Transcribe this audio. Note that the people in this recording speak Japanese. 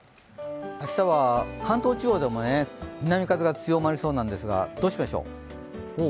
明日は関東地方でも南風が強まりそうなんですが、どうしましょう？